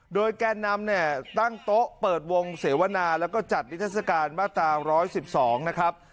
โดยแกนนำเนี่ยตั้งโต๊ะเปิดวงเสวนาแล้วก็จัดนิทัศกาลมาตรา๑๑๒นะครับ